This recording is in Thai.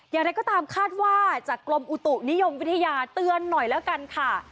อย่างไรก็ตามคาดว่าจากกรมอุตุนิยมวิทยาเตือนหน่อยแล้วกันค่ะ